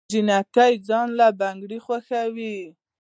جينکۍ ځان له بنګړي خوښوي